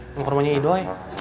mau ke rumahnya idoi